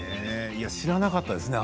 いや知らなかったですね